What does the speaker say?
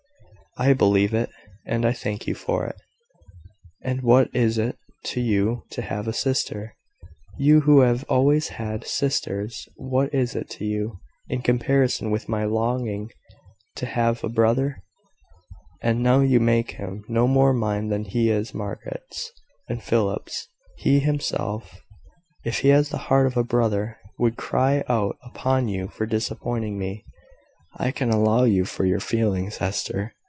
"I believe it, and I thank you for it." "And what is it to you to have a sister you who have always had sisters what is it to you, in comparison with my longing to have a brother? And now you make him no more mine than he is Margaret's and Philip's. He himself, if he has the heart of a brother, would cry out upon you for disappointing me." "I can allow for your feelings, Hester.